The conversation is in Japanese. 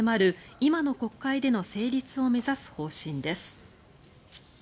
今の国会での成立を目指す方針です。